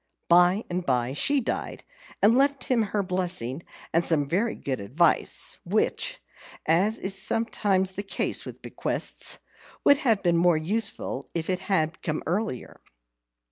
By and by she died, and left him her blessing and some very good advice, which (as is sometimes the case with bequests) would have been more useful if it had come earlier.